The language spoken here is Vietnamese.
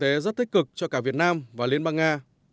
điều này rất tích cực cho cả việt nam và liên bang nga